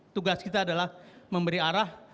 tugas kita adalah memberi arah